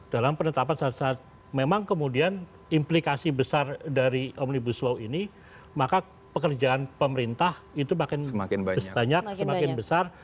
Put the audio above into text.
dalam penetapan saat saat memang kemudian implikasi besar dari omnibus law ini maka pekerjaan pemerintah itu makin banyak semakin besar